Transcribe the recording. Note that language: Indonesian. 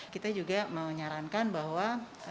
kita juga menyarankan bahwa